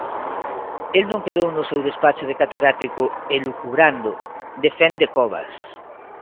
El non quedou no seu despacho de catedrático elucubrando, defende Cobas.